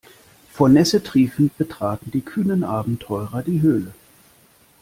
Vor Nässe triefend betraten die kühnen Abenteurer die Höhle.